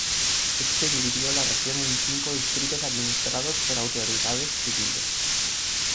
Éste dividió la región en cinco distritos administrados por autoridades civiles.